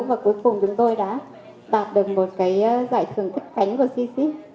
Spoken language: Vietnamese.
và cuối cùng chúng tôi đã đạt được một cái giải thưởng ít cánh của csip